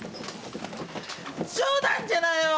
冗談じゃないよ。